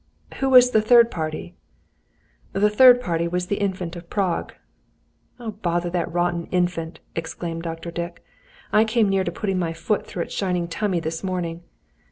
"Who was the third party?" "The third party was the Infant of Prague." "Oh, bother that rotten Infant!" exclaimed Dr. Dick. "I came near to putting my foot through its shining tummy this morning!